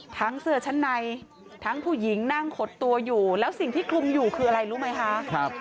เสื้อชั้นในทั้งผู้หญิงนั่งขดตัวอยู่แล้วสิ่งที่คลุมอยู่คืออะไรรู้ไหมคะ